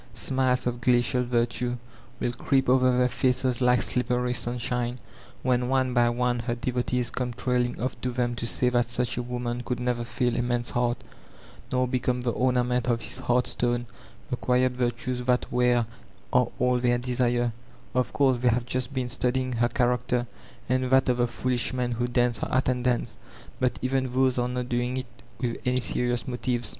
Smiles of glacial virtue will creep over their faces like slippery sunshine, when one by one her devotees come trailing off to them to say that such a woman could never fill a man's heart nor become the ornament of his hearthstone; the quiet virtues that wear, are all their desire ; of course they have just been studying her character and that of the foolish men who dance her attendance, but even those are not doing it with any serious motives.